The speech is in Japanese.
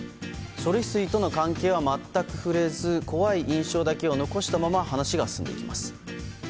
処理水との関係は全く触れず怖い印象だけを残したまま話が進んでいきます。